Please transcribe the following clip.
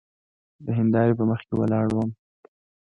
د هندارې په مخکې ولاړ وم.